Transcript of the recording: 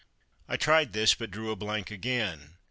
I tried this, but drew a blank again.